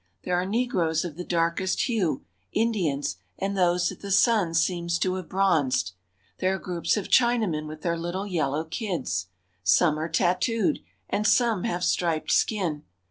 There are negroes of the darkest hue, Indians, and those that the sun seems to have bronzed. There are groups of Chinamen with their little "yellow kids." Some are tattooed, and some have striped skin.